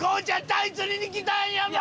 タイ釣りに来たんやもん！